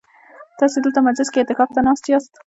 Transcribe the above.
تاسي دلته مسجد کي اعتکاف ته ناست ياست؟